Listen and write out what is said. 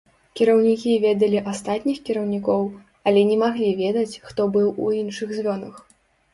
Кіраўнікі ведалі астатніх кіраўнікоў, але не маглі ведаць, хто быў у іншых звёнах.